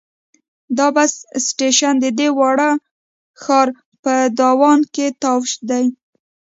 دا بس سټیشن د دې واړه ښار په ډاون ټاون کې دی.